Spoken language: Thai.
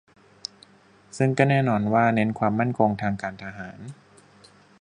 ซึ่งก็แน่นอนว่าเน้นความมั่นคงทางการทหาร